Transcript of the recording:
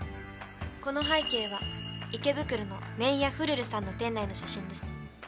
この背景は池袋の麺屋Ｈｕｌｕ−ｌｕさんの店内の写真です。